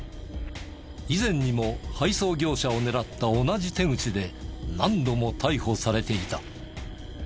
以前にも配送業者を狙った同じ手口で何度も逮捕されていた。